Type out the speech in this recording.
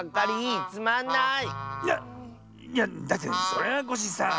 いやいやだってそれはコッシーさあ。